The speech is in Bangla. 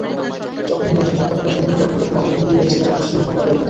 যখন হিন্দুদের হত্যা করা শুরু হলো, তখন অনেক হিন্দুই ভেবেছেন, এটা মুসলিম সাম্প্রদায়িকতা।